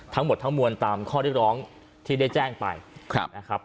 ทั้งหมดทั้งมวลตามข้อเรียกร้องที่ได้แจ้งไปนะครับ